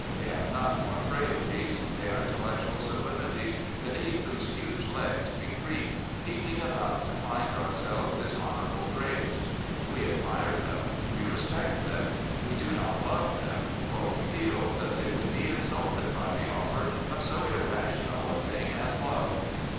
They have none of our frailties. They are intellectual sublimities beneath whose huge legs we creep, " peep ing about to find ourselves dishonourable graves," We admire them, we respect them: we do not love them, for we feel that they would be insulted by the offer of so irrational a thing as love.